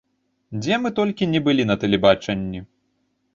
Дзе мы толькі ні былі на тэлебачанні!